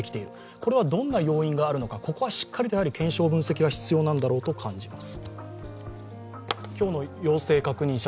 これはどんな要因があるのか、しっかりと検証・分析が必要なんだろうと感じます。